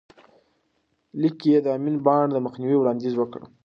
لیک کې یې د امین بانډ د مخنیوي وړاندیز وکړ.